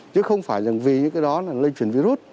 chứ không phải rằng vì những cái đó là lây truyền virus